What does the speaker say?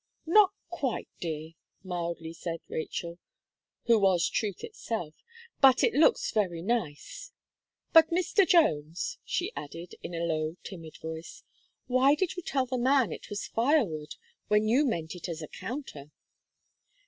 "Not quite, dear," mildly said Rachel, who was truth itself, "but it looks very nice. But, Mr. Jones," she added, in a low timid voice, "why did you tell the man it was firewood, when you meant it as a counter?"